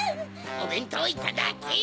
おべんとういただき！